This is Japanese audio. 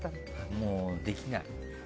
もう、できない。